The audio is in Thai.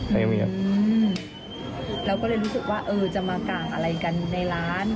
เราก็เลยรู้สึกว่าเออจะมาก่างอะไรกันในร้าน